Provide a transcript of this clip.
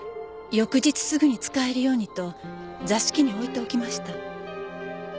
翌日すぐに使えるようにと座敷に置いておきました。